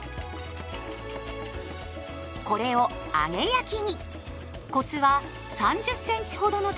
これを揚げ焼きに。